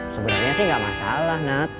sebenernya sih gak masalah nat